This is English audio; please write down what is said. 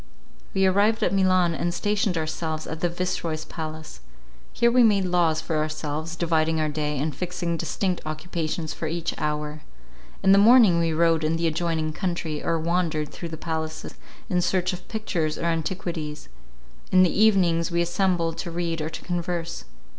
We arrived at Milan, and stationed ourselves in the Vice Roy's palace. Here we made laws for ourselves, dividing our day, and fixing distinct occupations for each hour. In the morning we rode in the adjoining country, or wandered through the palaces, in search of pictures or antiquities. In the evening we assembled to read or to converse.